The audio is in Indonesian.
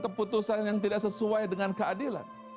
keputusan yang tidak sesuai dengan keadilan